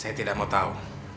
saya tidak mau tahu